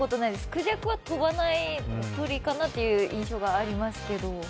くじゃくは飛ばない鳥かなという印象がありますけど。